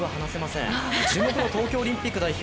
注目は東京オリンピック代表